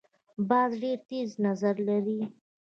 باز ډیر تېز نظر لري